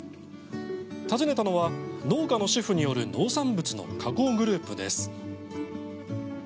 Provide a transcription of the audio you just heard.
訪ねたのは、農家の主婦による農産物の加工グループです。